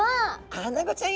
アナゴちゃん。